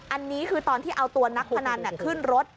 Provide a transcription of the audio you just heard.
อันนี้คือตอนที่เอาตัวนักพนันขึ้นรถ